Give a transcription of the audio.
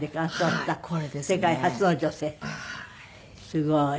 すごい。